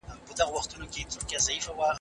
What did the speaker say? د هغې زده کړې به په ټپه ونه درېږي.